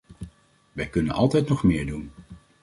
Wij kunnen altijd nog meer doen.